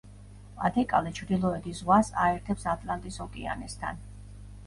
პა-დე-კალე ჩრდილოეთის ზღვას აერთებს ატლანტის ოკეანესთან.